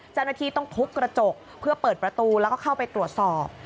เจ้าหน้าที่ต้องทุบกระจกเพื่อเปิดประตูแล้วก็เข้าไปตรวจสอบ